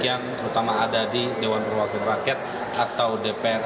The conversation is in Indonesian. yang terutama ada di dewan perwakilan rakyat atau dpr